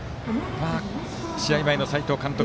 試合前の斎藤監督